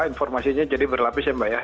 informasinya jadi berlapis ya mbak ya